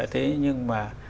thế nhưng mà